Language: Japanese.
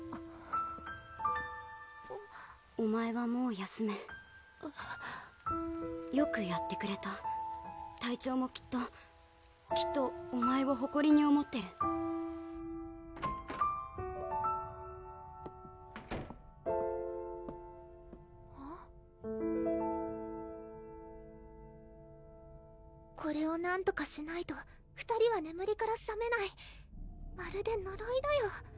お前はもう休めよくやってくれた隊長もきっときっとお前をほこりに思ってるこれをなんとかしないと２人はねむりからさめないまるでのろいだよ